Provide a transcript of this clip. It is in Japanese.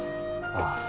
ああ。